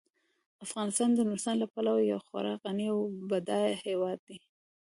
افغانستان د نورستان له پلوه یو خورا غني او بډایه هیواد دی.